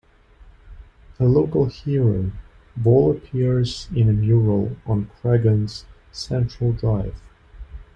A local hero, Ball appears in a mural on Creggan's Central Drive.